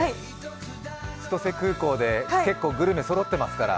千歳空港で結構グルメそろってますから。